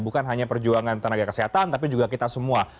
bukan hanya perjuangan tenaga kesehatan tapi juga kita semua